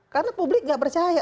karena publik nggak percaya